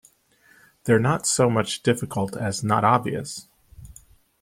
They're not so much difficult as not obvious.